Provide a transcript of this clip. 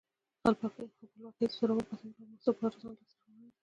خپلواکي د زړورو، باتورو او مبارزانو لاسته راوړنه ده.